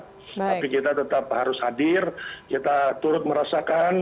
tapi kita tetap harus hadir kita turut merasakan